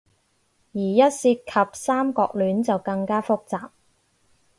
而一涉及三角戀，就更加複雜